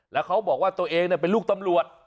แล้วเขาบอกว่าตัวเองเป็นลูกตำรวจ